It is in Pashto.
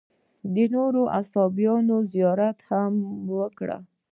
د نورو اصحابو زیارت هم وکړ.